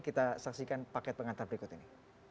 kita saksikan paket pengantar berikut ini